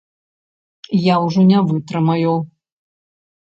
Я ўжо не вытрымаю!